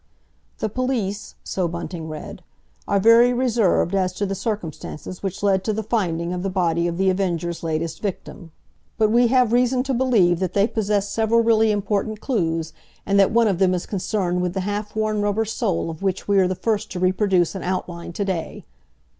"The police," so Bunting read, "are very reserved as to the circumstances which led to the finding of the body of The Avenger's latest victim. But we have reason to believe that they possess several really important clues, and that one of them is concerned with the half worn rubber sole of which we are the first to reproduce an outline to day.